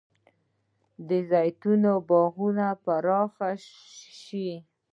د زیتون باغونه پراخ شوي؟